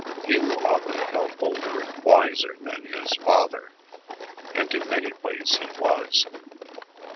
Hugh often felt older and wiser than his father; and in many ways he was.